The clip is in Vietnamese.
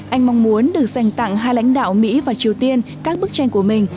anh mong muốn được dành tặng hai lãnh đạo mỹ và triều tiên các bức tranh của mình